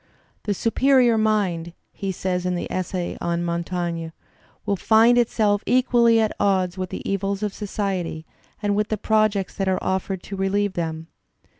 "The superior mind," he says in the essay on Montaigne, "will find itself equally at odds with the evils of society and with the projects that are offered to relieve them."